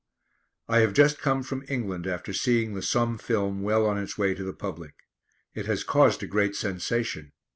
I have just come from England after seeing the Somme Film well on its way to the public. It has caused a great sensation.